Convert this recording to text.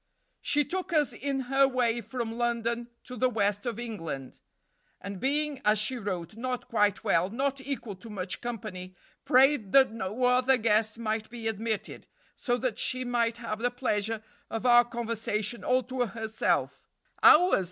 "She took us in her way from London to the west of England, and being, as she wrote, 'not quite well, not equal to much company, prayed that no other guest might be admitted, so that she might have the pleasure of our conversation all to herself (_ours!